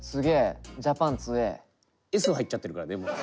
Ｓが入っちゃってるからねもう。